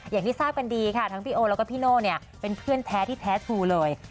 อย่างที่ทราบกันดีค่ะทั้งพี่โอแล้วก็พี่โน่เป็นเพื่อนแท้ที่แท้ครูเลย